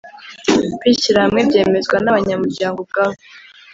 kwishyira hamwe byemezwa n’abanyamuryango ubwabo